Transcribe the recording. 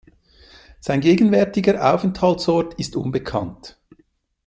Sein gegenwärtiger Aufenthaltsort ist unbekannt.